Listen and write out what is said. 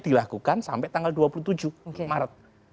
dilakukan sampai tanggal dua puluh tujuh maret